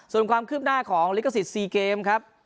ส่วนความขึ้นหน้าของลิเกสิตซีเกมครับ